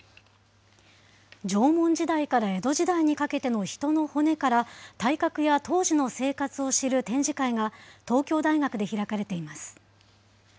縄文時代から江戸時代にかけての人の骨から、体格や当時の生活を知る展示会が東京大学で開かれています。